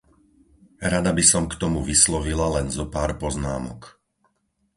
Rada by som k tomu vyslovila len zopár poznámok.